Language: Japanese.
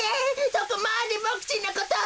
そこまでボクちんのことを。